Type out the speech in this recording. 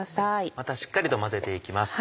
またしっかりと混ぜて行きます。